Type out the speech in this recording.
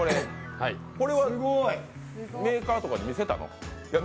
これはメーカーとかに見せたの？